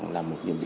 là một nhiệm vụ